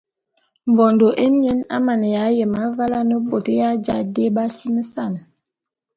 Mvondo émien a maneya yem avale ane bôt ya ja dé b’asimesan.